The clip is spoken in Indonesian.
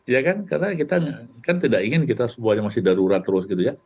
ya kan karena kita kan tidak ingin kita semuanya masih darurat terus gitu ya